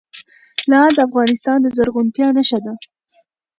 لعل د افغانستان د زرغونتیا نښه ده.